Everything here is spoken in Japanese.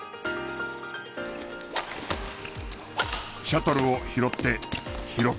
シャトルを拾って拾って。